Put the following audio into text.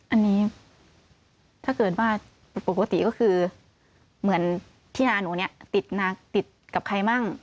อันนี้ถ้าเกิดว่าปกติก็คือเหมือนที่นาหนูเนี่ยติดกับใครมั่ง